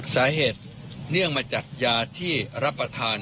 สาเหตุแนื่องมาจัดยาที่รับประทาน